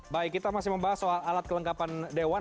baik kita masih membahas soal alat kelengkapan dewan